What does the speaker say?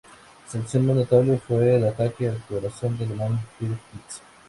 Su acción más notable fue el ataque al acorazado alemán Tirpitz.